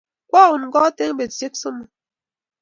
Kwaun kot eng' petusyek somok